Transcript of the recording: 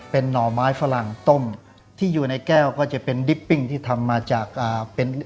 เป็นหน่อไม้ฝรั่งต้มที่อยู่ในแก้วก็จะเป็นดิปปิ้งที่ทำมาจากอ่าเป็น